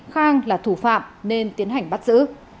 khang là thủ phạm nên tiến hành bắt giữ